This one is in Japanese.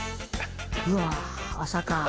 うわ朝か！